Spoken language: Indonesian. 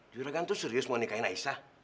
juragan tuh serius mau nikahin aisyah